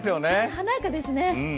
華やかですね。